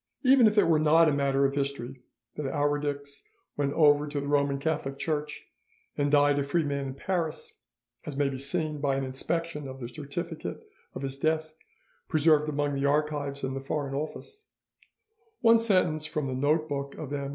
Even if it were not a matter of history that Arwedicks went over to the Roman Catholic Church and died a free man in Paris, as may be seen by an inspection of the certificate of his death preserved among the archives in the Foreign Office, one sentence from the note book of M.